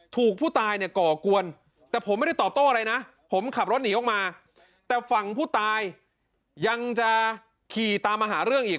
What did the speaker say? ถูกผู้ตายเนี่ยก่อกวนแต่ผมไม่ได้ตอบโต้อะไรนะผมขับรถหนีออกมาแต่ฝั่งผู้ตายยังจะขี่ตามมาหาเรื่องอีก